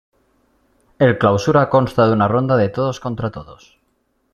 El Clausura consta de una ronda de todos contra todos.